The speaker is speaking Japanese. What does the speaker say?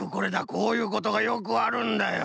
こういうことがよくあるんだよ。